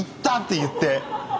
て言って。